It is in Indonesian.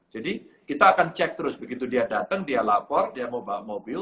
jadi kita akan cek terus begitu dia datang dia lapor dia mau bawa mobil